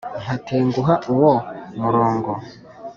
nkatenguha uwo muronbgo